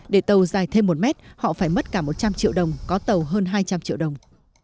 để tàu dài thêm một mét họ phải mất cả một trăm linh triệu đồng có tàu hơn hai trăm linh triệu đồng